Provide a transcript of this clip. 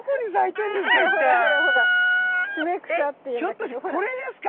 ひょっとしてこれですか？